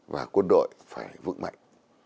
và quân đội phải vững mạnh